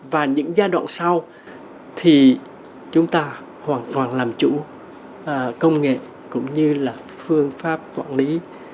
và những giai đoạn sau thì chúng ta hoàn toàn làm chủ công nghệ cũng như là phương pháp quản lý